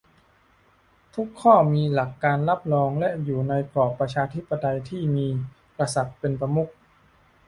ทุกข้อมีหลักการรองรับและอยู่ในกรอบประชาธิปไตยที่มีกษัตริย์เป็นประมุข